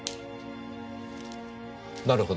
なるほど。